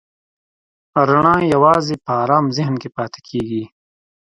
رڼا یواځې په آرام ذهن کې پاتې کېږي.